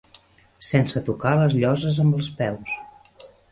Sense tocar les lloses amb els peus.